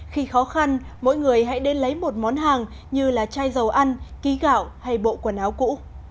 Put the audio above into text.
khi khó khăn mỗi người hãy đến lấy một món hàng như là chai dầu ăn ký gạo hay bộ quần áo cũ